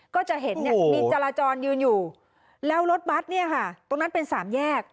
ก็จะเห็นเนี่ยมีจราจรยืนอยู่แล้วรถบัตรเนี่ยค่ะตรงนั้นเป็นสามแยก